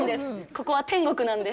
ここは天国なんで。